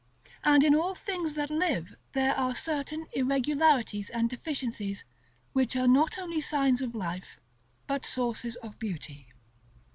And in all things that live there are certain, irregularities and deficiencies which are not only signs of life, but sources of beauty.